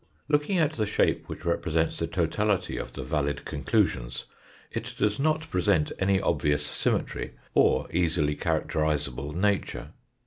Looking at the shape which represents the totality of the valid conclusions, it does not present any obvious symmetry, or easily characterisable nature.